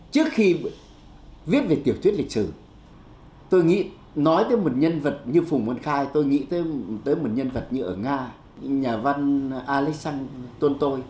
trước khi viết về tiểu thuyết lịch sử tôi nghĩ nói tới một nhân vật như phùng văn khai tôi nghĩ tới một nhân vật như ở nga nhà văn alexan tôn tôi